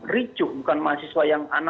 ricu bukan mahasiswa yang